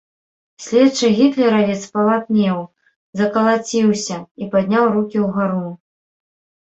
Следчы гітлеравец спалатнеў, закалаціўся і падняў рукі ўгару.